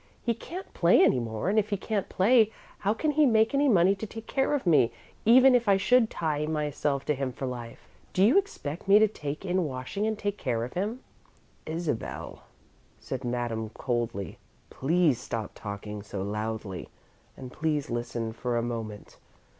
He can't play any more, and if he can't play, how can he make any money to take care of me, even if I should tie myself to him for life? Do you expect me to take in washing and take care of him?" "Isabel," said Madame, coldly, "please stop talking so loudly and please listen for a moment.